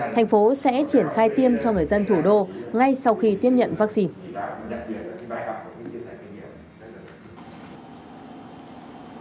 thành phố sẽ triển khai tiêm cho người dân thủ đô ngay sau khi tiếp nhận vaccine